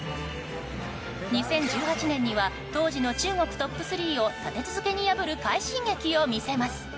２０１８年には当時の中国トップ３を立て続けに破る快進撃を見せます。